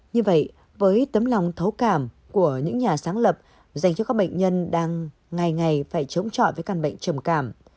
như vậy với tấm lòng thấu cảm của những nhà sáng lập dành cho các bệnh nhân đang ngày ngày phải chống chọi với căn bệnh trầm cảm